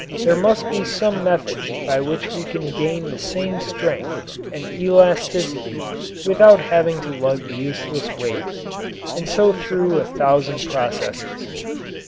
There must be some method by which we can gain the same strength and elasticity without having to lug useless weight. And so through a thousand processes.